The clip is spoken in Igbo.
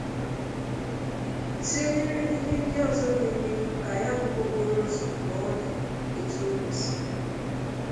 tinyere ihe ndị ọzọ ga-eme ka ya bụ okporo ụzọ nọọ ọdụ etu o kwesiri